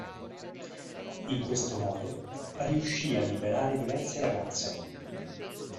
In questo modo riuscì a liberare diverse ragazze.